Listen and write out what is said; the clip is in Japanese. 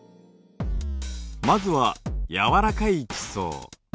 まずは柔らかい地層。